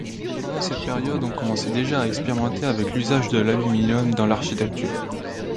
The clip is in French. Pendant cette période, on commençait déjà à expérimenter avec l’usage de l’aluminium dans l’architecture.